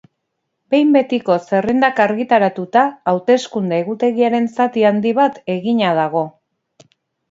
Behin betiko zerrendak argitaratuta, hauteskunde egutegiaren zati handi bat egina dago.